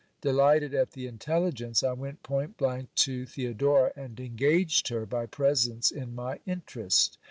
Delighted at the intelligence, I went point blank to Theodora, and engaged her by presents in my interest.